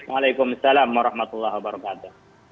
wa'alaikumussalam warahmatullahi wabarakatuh